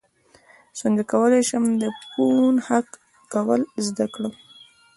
څنګه کولی شم د فون هک کول زده کړم